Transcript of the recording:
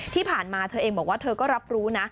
ที่ผ่านมาเธอเองบอกว่าเธอก็รับรู้นะ